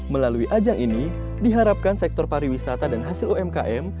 melalui ajang ini diharapkan sektor pariwisata dan hasil umkm